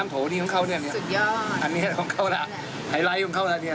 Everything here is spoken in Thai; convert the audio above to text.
ก็รุ่นอ่ะ๑๔๑๕บาทตอนนี้๖๒บาทแล้ว